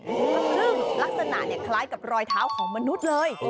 ซึ่งลักษณะคล้ายกับรอยเท้าของมนุษย์เลย